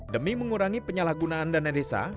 demi mengurangi penyalahgunaan dana desa